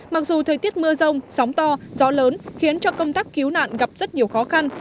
mặc dù thời tiết mưa rông sóng to gió lớn khiến cho công tác cứu nạn gặp rất nhiều khó khăn